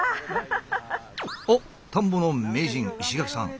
おっ田んぼの名人石垣さん。